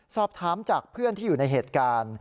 สอบถามจากเพื่อนที่อยู่ในเหตุการณ์